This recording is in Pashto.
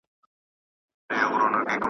چي په خوب به دي لیدله دغه ورځ دي وه ارمان .